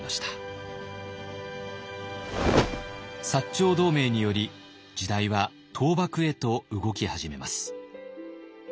長同盟により時代は倒幕へと動き始めます。